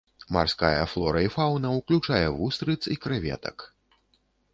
Марская флора і фаўна ўключае вустрыц і крэветак.